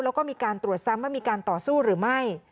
แล้วก็มีการตรวจซ้ำว่ามีการต่อสู้หรือไม่